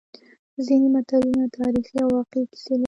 ځینې متلونه تاریخي او واقعي کیسې لري